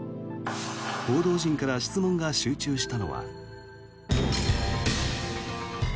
報道陣から質問が集中したのは。